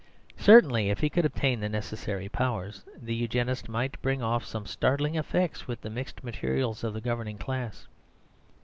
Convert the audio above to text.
Certainly, if he could obtain the necessary powers, the Eugenist might bring off some startling effects with the mixed materials of the governing class.